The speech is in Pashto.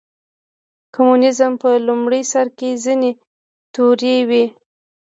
کمونیزم په لومړي سر کې ځینې تیورۍ وې.